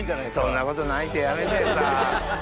そんなことないってやめてさ。